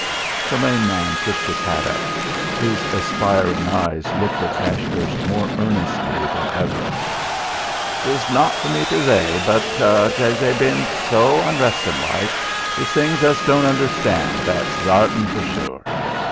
The lame man pushed his hat up; his aspiring eyes looked at Ashurst more earnestly than ever. "'Tes not for me to zay that but 'tes they bein' so unrestin'like. There's things us don' understand, that's zartin, for zure.